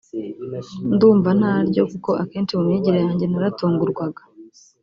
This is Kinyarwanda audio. Ndumva ntaryo kuko akenshi mu myigire yanjye naratungurwaga